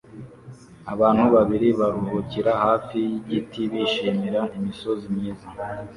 Abantu babiri baruhukira hafi yigiti bishimira imisozi myiza